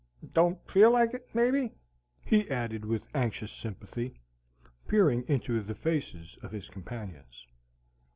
Don't feel like it, may be?" he added with anxious sympathy, peering into the faces of his companions.